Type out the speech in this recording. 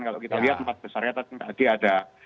kalau kita lihat empat besarnya tadi ada